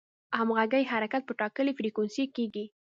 همغږي حرکت په ټاکلې فریکونسي کېږي.